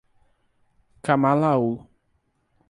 Camalaú